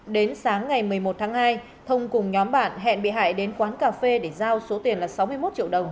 đến sáng ngày một mươi một tháng hai thông cùng nhóm bạn hẹn bị hại đến quán cà phê để giao số tiền là sáu mươi một triệu đồng